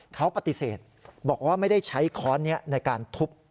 เขาปฏิเสธบอกว่าไม่ได้ใช้ค้อนนี้ในการทุบ